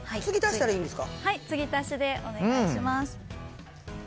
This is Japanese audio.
継ぎ足しでお願いします。